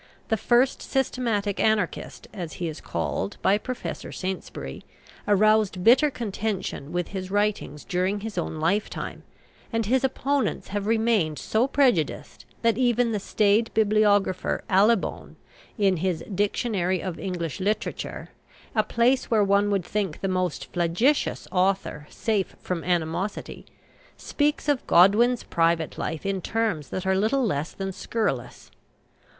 "The first systematic anarchist," as he is called by Professor Saintsbury, aroused bitter contention with his writings during his own lifetime, and his opponents have remained so prejudiced that even the staid bibliographer Allibone, in his "Dictionary of English Literature," a place where one would think the most flagitious author safe from animosity, speaks of Godwin's private life in terms that are little less than scurrilous.